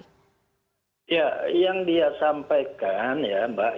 ya yang dia sampaikan ya mbak